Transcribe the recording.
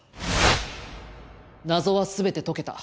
謎は全て解けた。